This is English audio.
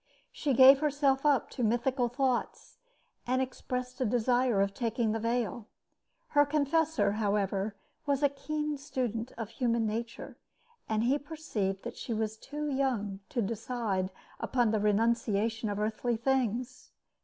She gave herself up to mythical thoughts, and expressed a desire of taking the veil. Her confessor, however, was a keen student of human nature, and he perceived that she was too young to decide upon the renunciation of earthly things.